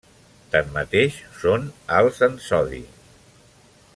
Tanmateix són alts en sodi.